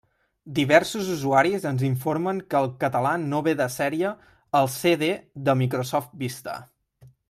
Diversos usuaris ens informen que el català no ve de sèrie als CD de Microsoft Vista.